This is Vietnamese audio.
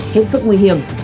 hết sức nguy hiểm